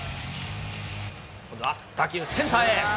今度は打球、センターへ。